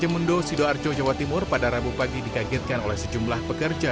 pembangunan pondosido arco jawa timur pada rabu pagi dikagetkan oleh sejumlah pekerja